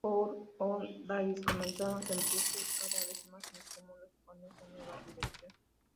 Journal" John Davis comenzaron a sentirse cada vez más incómodos con esta nueva dirección.